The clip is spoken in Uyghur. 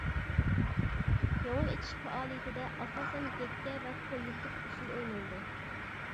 كۆڭۈل ئېچىش پائالىيىتىدە ئاساسەن يەككە ۋە كوللېكتىپ ئۇسسۇل ئوينىلىدۇ.